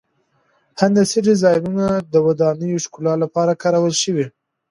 هندسي ډیزاینونه د ودانیو ښکلا لپاره کارول شوي.